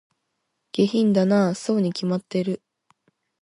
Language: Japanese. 下品だなぁ、そうに決まってる